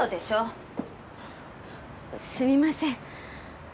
すみません